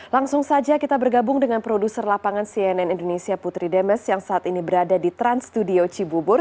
langsung saja kita bergabung dengan produser lapangan cnn indonesia putri demes yang saat ini berada di trans studio cibubur